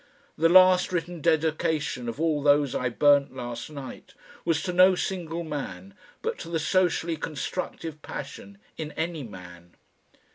The last written dedication of all those I burnt last night, was to no single man, but to the socially constructive passion in any man....